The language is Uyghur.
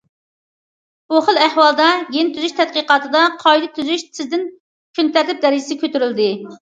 بۇ خىل ئەھۋالدا، گېن تۈزۈش تەتقىقاتىدا قائىدە تۈزۈش تېزدىن كۈنتەرتىپ دەرىجىسىگە كۆتۈرۈلدى.